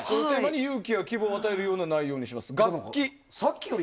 勇気や希望を与える内容にしました。